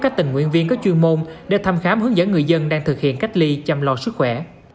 các tình nguyện viên có chuyên môn để thăm khám hướng dẫn người dân đang thực hiện cách ly chăm lo sức khỏe